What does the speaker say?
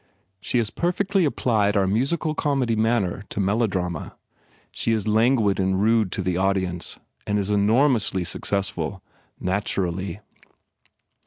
She has perfectly applied our musical comedy manner to melodrama. She is languid and rude to the audience and is enor mously, successful, naturally.